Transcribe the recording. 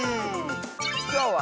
きょうは。